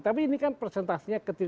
tapi ini kan presentasinya kecil